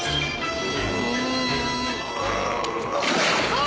ああ！？